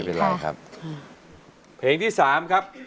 เพลงที่ที่๓ครับ